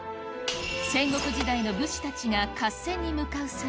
戦国時代の武士たちが合戦に向かう際